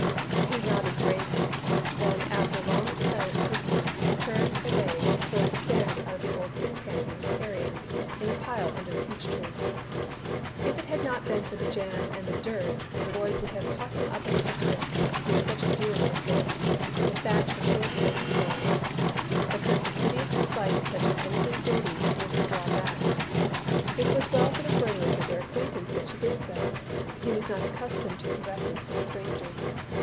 He nodded gravely, then after another long silent scrutiny, turned away to pour the sand out of the old tin can he was carrying, in a pile under the peach tree. If it had not been for the jam and the dirt Lloyd would have caught him up and kissed him, he was such a dear little thing, with a thatch of short golden curls. But her fastidious dislike of touching anything dirty made her draw back. It was well for the furtherance of their acquaintance that she did so. He was not accustomed to caresses from strangers.